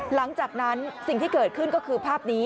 หลังจากนั้นสิ่งที่เกิดขึ้นก็คือภาพนี้